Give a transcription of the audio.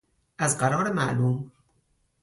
ازقرار معلوم